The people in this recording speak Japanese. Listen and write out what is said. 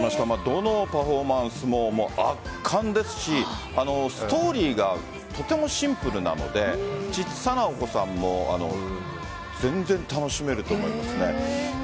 どのパフォーマンスも圧巻ですしストーリーがとてもシンプルなので小さなお子さんも全然楽しめると思いますね。